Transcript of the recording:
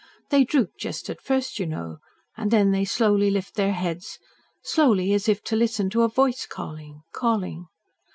They droop just at first, you know, and then they slowly lift their heads, slowly, as if to listen to a Voice calling calling.